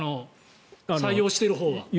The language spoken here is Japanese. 採用しているほうは。